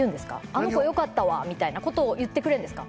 「あの子よかったわ」みたいなこと言ってくれるんですか？